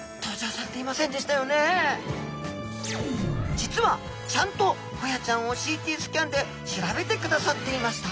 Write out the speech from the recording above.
実はちゃんとホヤちゃんをＣＴスキャンで調べてくださっていました。